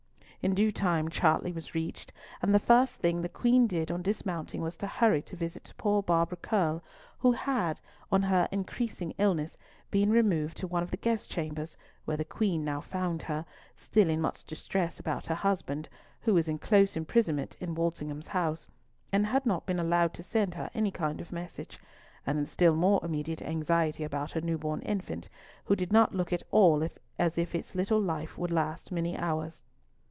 In due time Chartley was reached, and the first thing the Queen did on dismounting was to hurry to visit poor Barbara Curll, who had—on her increasing illness—been removed to one of the guest chambers, where the Queen now found her, still in much distress about her husband, who was in close imprisonment in Walsingham's house, and had not been allowed to send her any kind of message; and in still more immediate anxiety about her new born infant, who did not look at all as if its little life would last many hours.